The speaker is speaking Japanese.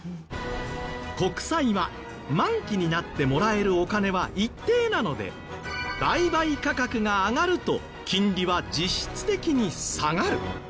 国債は満期になってもらえるお金は一定なので売買価格が上がると金利は実質的に下がる。